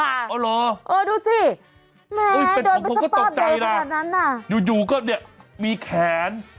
เอ้าเหรอเออดูสิแม่เป็นของผมก็ตกใจแล้วอยู่ก็เนี่ยมีแขน